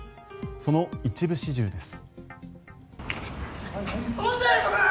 その一部始終です。